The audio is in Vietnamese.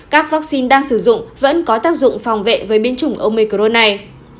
các vaccine đang sử dụng vẫn có tác dụng phòng vệ với biến chủng omicro này